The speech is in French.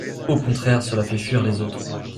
Au contraire, cela fait fuir les autres.